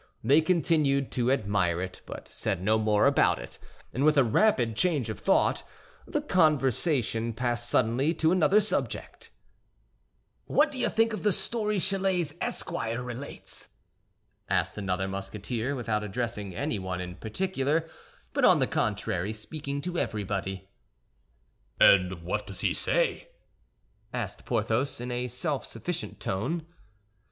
They continued to admire it, but said no more about it; and with a rapid change of thought, the conversation passed suddenly to another subject. "What do you think of the story Chalais's esquire relates?" asked another Musketeer, without addressing anyone in particular, but on the contrary speaking to everybody. "And what does he say?" asked Porthos, in a self sufficient tone.